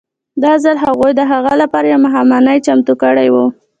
دا ځل هغوی د هغه لپاره یوه ماښامنۍ چمتو کړې وه